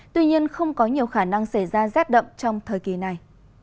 tuy nhiên không có nhiều khả năng xảy ra rét đậm trong thời kỳ này